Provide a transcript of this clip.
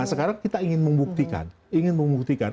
sekarang kita ingin membuktikan